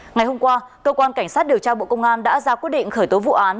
ngày hôm qua cơ quan cảnh sát điều tra bộ công an đã ra quyết định khởi tố vụ án